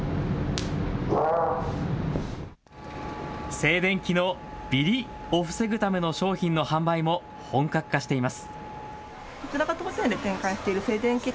静電気のビリッを防ぐための商品の販売も本格化しています。